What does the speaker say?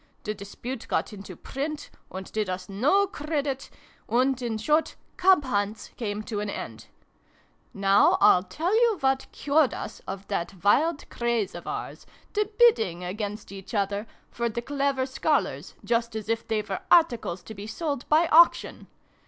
The dispute got into print, and did us no credit, and, in short, Cub Hunts came to an end. Now I'll tell you what cured us of that wild craze of ours, the bidding against each other, for the xil] FAIRY MUSIC. 193 clever scholars, just as if they were articles to be sold by auction